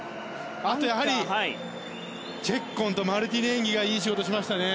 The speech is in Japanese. あと、やはりチェッコンとマルティネンギがいい仕事をしましたね。